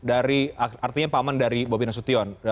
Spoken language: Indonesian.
artinya paman dari bobina sution